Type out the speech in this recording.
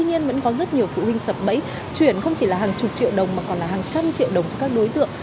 nhiều phụ huynh sập bẫy chuyển không chỉ là hàng chục triệu đồng mà còn là hàng trăm triệu đồng cho các đối tượng